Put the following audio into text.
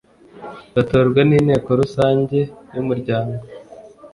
batorwa n inteko rusange y umuryango